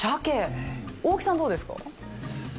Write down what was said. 大木さんどうですか？